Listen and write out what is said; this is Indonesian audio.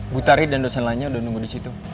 bu tari dan dosen lainnya udah nunggu disitu